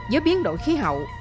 với biến đổi khí hậu